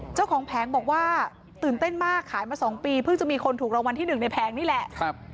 แผงบอกว่าตื่นเต้นมากขายมา๒ปีเพิ่งจะมีคนถูกรางวัลที่๑ในแผงนี่แหละ